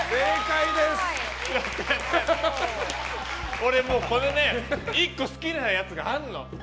俺、もうこれ１個好きなやつがあんの。